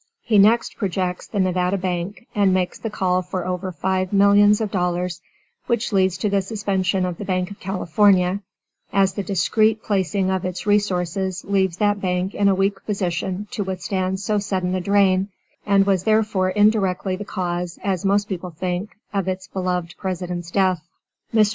He next projects the Nevada Bank and makes the call for over five millions of dollars which leads to the suspension of the Bank of California, as the indiscrete placing of its resources leaves that bank in a weak position to withstand so sudden a drain, and was therefore indirectly the cause, as most people think, of its beloved President's death. Mr.